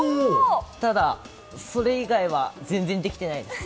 ただ、それ以外は全然できてないです。